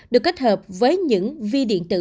được kết hợp với những vi điện tử